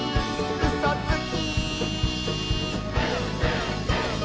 「うそつき！」